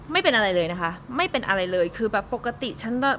ไม่เป็นอะไรเลยนะคะไม่เป็นอะไรเลยคือแบบปกติฉันก็